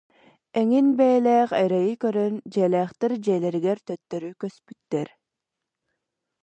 Эҥин бэйэлээх эрэйи көрөн дьиэлээхтэр дьиэлэригэр төттөрү көспүттэр